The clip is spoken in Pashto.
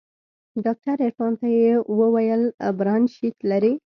ډاکتر عرفان ته يې وويل برانشيت لري.